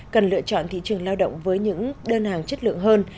cần lựa chọn thị trường lao động với những đơn hàng chất lượng hơn